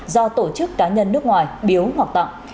do tổ chức cá nhân nước ngoài biếu hoặc tặng